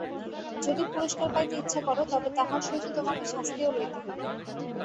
যদি পুরস্কার পাইতে ইচ্ছা কর, তবে তাহার সহিত তোমাকে শাস্তিও লইতে হইবে।